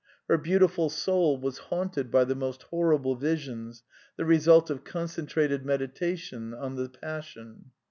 Her beautiful soul was haunted by the most horrible visions, the result of concentrated meditation on the Passion.